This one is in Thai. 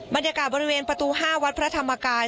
บรรยากาศบริเวณประตู๕วัดพระธรรมกาย